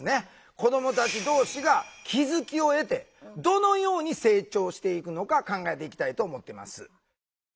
子どもたち同士が気付きを得てどのように成長していくのか考えていきたいと思ってます。